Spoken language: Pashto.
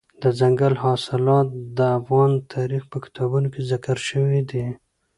دځنګل حاصلات د افغان تاریخ په کتابونو کې ذکر شوي دي.